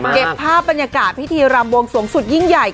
เก็บภาพบรรยากาศพิธีรำบวงสวงสุดยิ่งใหญ่